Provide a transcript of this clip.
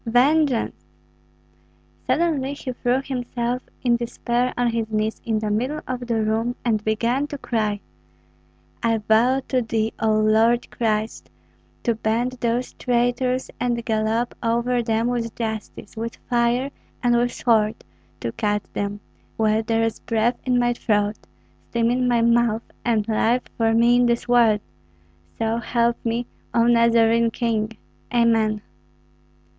Vengeance!" Suddenly he threw himself in despair on his knees in the middle of the room, and began to cry, "I vow to thee, O Lord Christ, to bend those traitors and gallop over them with justice, with fire, and with sword, to cut them, while there is breath in my throat, steam in my mouth, and life for me in this world! So help me, O Nazarene King! Amen!"